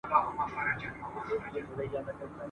زه دي هم یمه ملګری ما هم بوزه !.